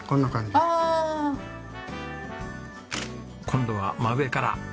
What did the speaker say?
今度は真上から。